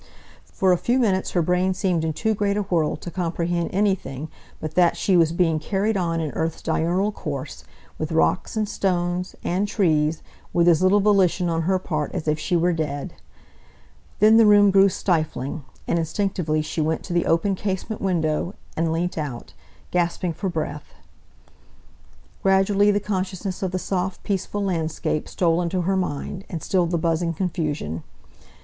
For a few minutes her brain seemed in too great a whirl to comprehend anything but that she was being carried on in earth's diurnal course, with rocks, and stones, and trees, with as little volition on her part as if she were dead. Then the room grew stifling, and instinctively she went to the open casement window, and leant out, gasping for breath. Gradually the consciousness of the soft peaceful landscape stole into her mind, and stilled the buzzing confusion.